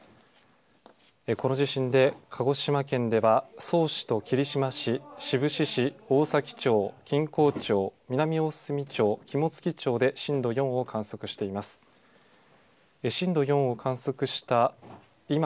この地震で、鹿児島県では、曽於市と霧島市、志布志市、大崎町、錦江町、南大隅町、肝付町で、震度４を観測しています。